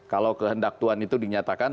kalau kehendak tuhan itu dinyatakan